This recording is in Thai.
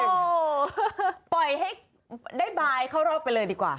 โอ้ปล่อยได้ไปเข้ารอบไปเลยดีกว่า